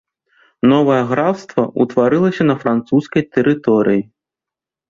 Новае графства ўтварылася на французскай тэрыторыі.